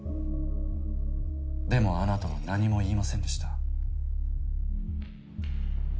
でもあなたは何も言いませんでした。